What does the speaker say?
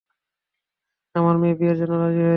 আমার মেয়ে বিয়ের জন্য রাজি হয়েছে।